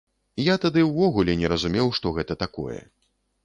Я тады ўвогуле не разумеў, што гэта такое.